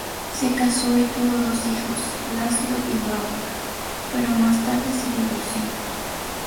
Se casó y tuvo dos hijos, Laszlo y Gabor, pero más tarde se divorció.